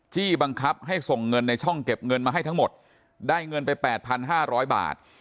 จี้บังคับให้ส่งเงินในช่องเก็บเงินมาให้ทั้งหมดได้เงินไป๘๕๐๐บาท